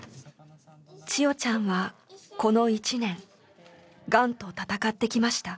千与ちゃんはこの１年がんと闘ってきました。